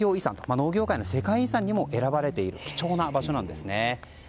農業界の世界遺産にも選ばれている貴重な場所なんですね。